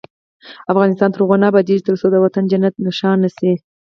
افغانستان تر هغو نه ابادیږي، ترڅو دا وطن جنت نښان نشي.